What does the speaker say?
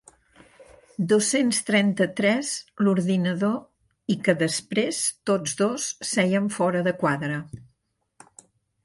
Dos-cents trenta-tres l'ordinador i que, després, tots dos seien fora de quadre.